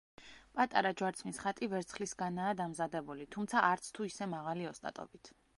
პატარა ჯვარცმის ხატი ვერცხლისგანაა დამზადებული, თუმცა არც თუ ისე მაღალი ოსტატობით.